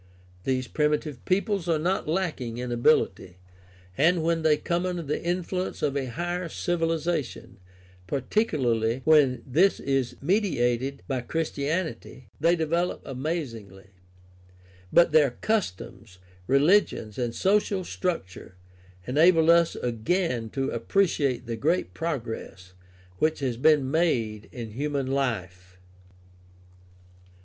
These primitive peoples are not lacking in ability, and when they come under the influence of a higher civilization, particularly when this is mediated by Christianity, they develop amazingly; but their customs, reli gions, and social structure enable us again to appreciate the great progress which has been made in human life.